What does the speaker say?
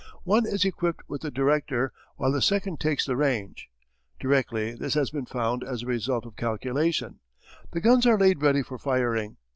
One is equipped with the director, while the second takes the range. Directly this has been found as a result of calculation, the guns are laid ready for firing.